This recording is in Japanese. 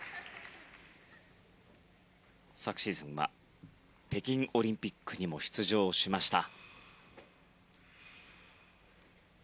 昨シーズンは北京オリンピックも出場しました。